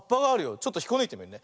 ちょっとひっこぬいてみるね。